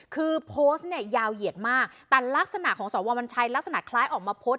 คือโพสต์เนี่ยยาวเหยียดมากแต่ลักษณะของสววัญชัยลักษณะคล้ายออกมาโพสต์